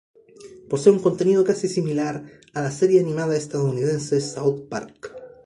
Posee un contenido casi similar a la serie animada estadounidense South Park.